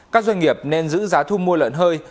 các doanh nghiệp nên giữ giá thu mua lợn hơi